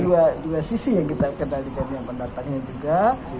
ada dua sisi yang kita kendalikan yang pendatangnya juga